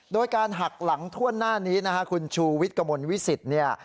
โดยการหักหลังถ้วนหน้านี้นะฮะคุณชูวิทย์กระมวลวิสิตเนี่ย